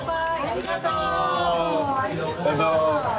ありがとう。